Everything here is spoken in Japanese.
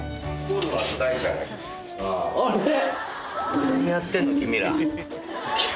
何やってんの君ら。